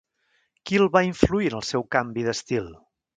Qui el va influir en el seu canvi d'estil?